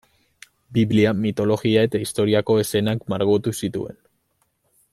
Biblia, mitologia eta historiako eszenak margotu zituen.